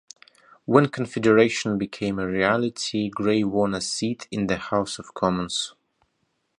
When confederation became a reality, Gray won a seat in the House of Commons.